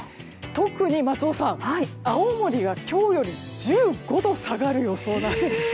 特に松尾さん、青森は今日よりも１５度下がる予想です。